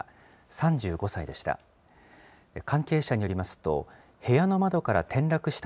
３５歳でした。